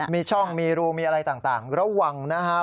มีช่องมีรูมีอะไรต่างระวังนะครับ